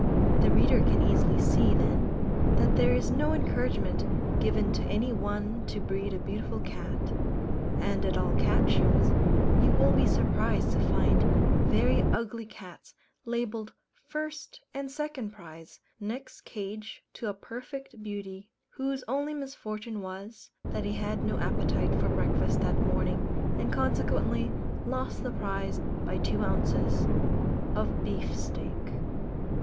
The reader can easily see, then, that there is no encouragement given to any one to breed a beautiful cat; and at all cat shows, you will be surprised to find very ugly cats labelled first and second prize, next cage to a perfect beauty, whose only misfortune was, that he had no appetite for breakfast that morning, and consequently lost the prize by two ounces of beef steak.